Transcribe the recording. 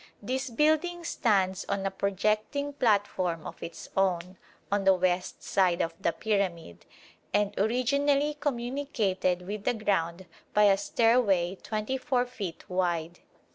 This building stands on a projecting platform of its own, on the west side of the pyramid, and originally communicated with the ground by a stairway 24 feet wide.